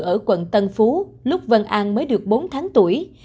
ở quận tân phú lúc văn an mới được bốn tháng tuổi